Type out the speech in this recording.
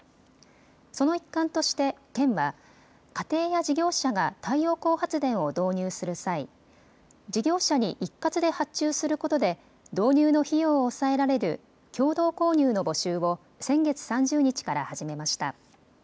その一環として県は家庭や事業者が太陽光発電を導入する際、事業者に一括で発注することで導入の費用を抑えられる共同購入の募集を先月３０日から始めました。